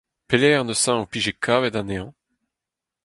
Pelec’h neuze ho pije kavet anezhañ ?